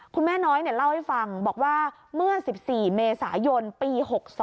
คุณแม่น้อยเล่าให้ฟังบอกว่าเมื่อ๑๔เมษายนปี๖๒